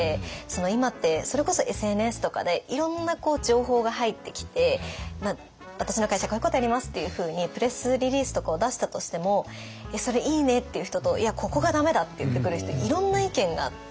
今ってそれこそＳＮＳとかでいろんな情報が入ってきて私の会社こういうことやりますっていうふうにプレスリリースとかを出したとしても「それいいね」って言う人と「いやここが駄目だ」って言ってくる人いろんな意見があって。